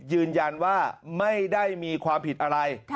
ยืนยันว่าไม่ได้มีความผิดอะไร